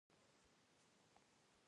د افغان ځواکونو لارښوونه وشوه.